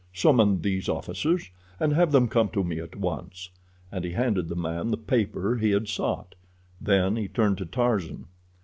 "Summon these officers—have them come to me at once," and he handed the man the paper he had sought. Then he turned to Tarzan.